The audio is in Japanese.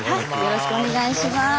よろしくお願いします。